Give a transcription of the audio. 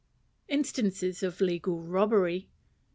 Instances of Legal Robbery.